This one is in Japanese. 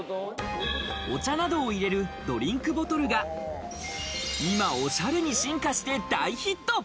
お茶などを入れるドリンクボトルが今おしゃれに進化して大ヒット！